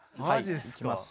いきます。